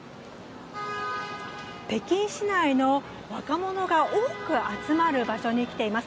北京市内の若者が多く集まる場所に来ています。